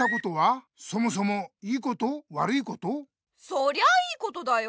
そりゃ良いことだよ。